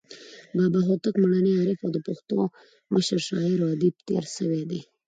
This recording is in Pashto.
بابا هوتک میړنى، عارف او د پښتو مشر شاعر او ادیب تیر سوى دئ.